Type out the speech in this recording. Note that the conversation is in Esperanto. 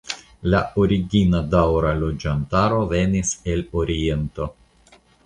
La origina daŭra loĝantaro venis el oriento.